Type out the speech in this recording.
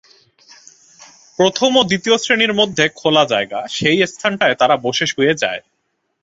প্রথম ও দ্বিতীয় শ্রেণীর মধ্যে খোলা জায়গা, সেই স্থানটায় তারা বসে শুয়ে যায়।